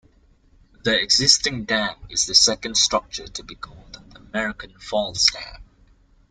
The existing dam is the second structure to be called the American Falls Dam.